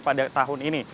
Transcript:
sejak tahun ini